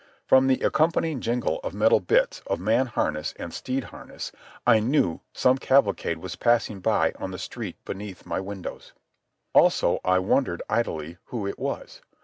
From the accompanying jingle of metal bits of man harness and steed harness I knew some cavalcade was passing by on the street beneath my windows. Also, I wondered idly who it was.